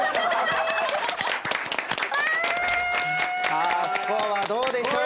さあスコアはどうでしょうか？